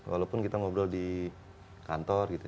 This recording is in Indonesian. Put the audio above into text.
walaupun kita ngobrol di kantor gitu